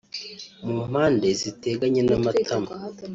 mu mpande ziteganye n’amatama